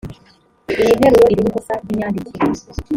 iyi nteruro irimo ikosa ry imyandikire